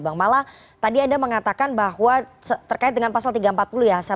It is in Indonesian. bang mala tadi anda mengatakan bahwa terkait dengan pasal tiga ratus empat puluh ya